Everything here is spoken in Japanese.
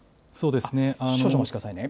少々お待ちくださいね。